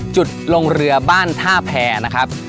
จุดลงเรือบ้านท่าแพรนะครับ